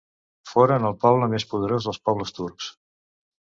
Foren el poble més poderós dels pobles turcs.